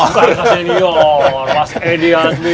kakak senior mas edi azli